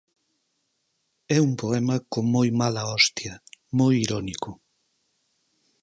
É un poema con moi mala hostia, moi irónico.